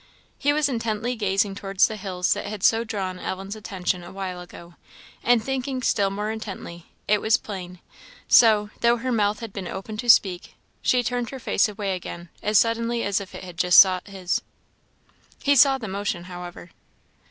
He was intently gazing towards the hills that had so drawn Ellen's attention a while ago, and thinking still more intently, it was plain; so, though her mouth had been open to speak, she turned her face away again as suddenly as it had just sought his. He saw the motion, however.